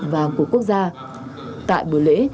và của quốc gia tại buổi lễ